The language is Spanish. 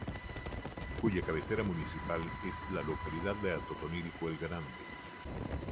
Cuya cabecera municipal es la localidad de Atotonilco el Grande.